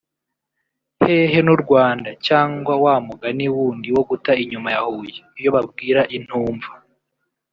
hehe n’u-Rwanda cyangwa wa mugani wundi wo ‘guta inyuma ya Huye’ iyo babwira intumva)